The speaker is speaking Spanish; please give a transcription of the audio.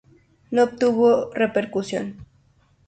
No obtuvo repercusión.